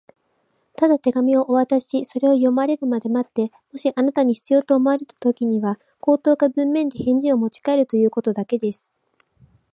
「ただ手紙をお渡しし、それを読まれるまで待って、もしあなたに必要と思われるときには、口頭か文面で返事をもちかえるということだけです」